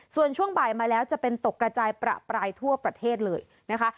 ส่วนช่วงบ่ายมาแล้วจะเป็นตกกระจายประปรายทั่วประเทศเลยนะคะ